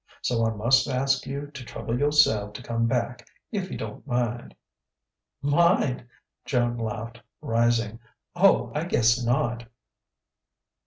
So I must ask you to trouble yourself to come back, if you don't mind." "Mind!" Joan laughed, rising. "Oh, I guess not."